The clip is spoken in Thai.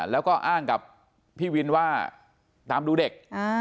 แล้วก็อ้างกับพี่วินว่าตามดูเด็ก